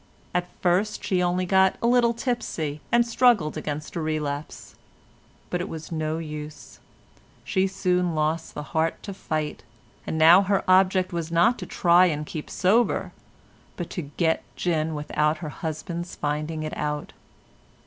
At first she only got a little tipsy and struggled against a relapse; but it was no use, she soon lost the heart to fight, and now her object was not to try and keep sober, but to get gin without her husband's finding it out.